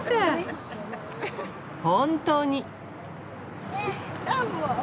本当に！